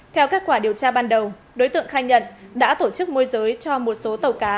theo kết quả điều tra ban đầu đối tượng khai nhận đã tổ chức môi giới cho một số tàu cá